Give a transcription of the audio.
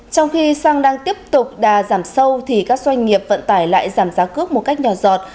trong khi xăng đang tiếp tục đà giảm sâu thì các doanh nghiệp vận tải lại giảm giá cước một cách nhỏ giọt